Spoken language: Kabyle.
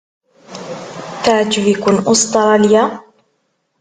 Teɛjeb-iken Ustṛalya?